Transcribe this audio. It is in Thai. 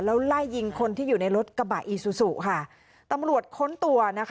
แล้วไล่ยิงคนที่อยู่ในรถกระบะอีซูซูค่ะตำรวจค้นตัวนะคะ